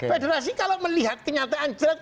federasi kalau melihat kenyataan jelek